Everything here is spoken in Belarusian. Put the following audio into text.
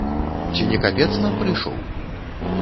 Ці не капец нам прыйшоў?